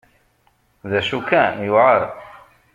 D acu kan, yewεer.